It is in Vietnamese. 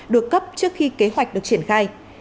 được cấp trước khi kế hoạch được triển khai